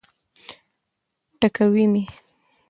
ټکوي مي.